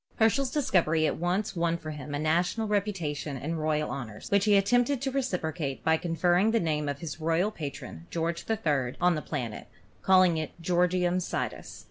Herschel's discovery at once won for him a national reputation and royal honors, which he attempted to re ciprocate by conferring the name of his royal patron, George III., on the new planet, calling it Georgium Sidus.